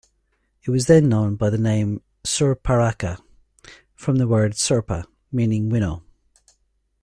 It was then known by the name "Surparaka", from the word, "Surpa" meaning winnow.